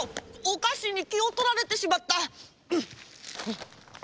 おかしにきをとられてしまった！